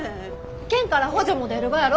県から補助も出るがやろ？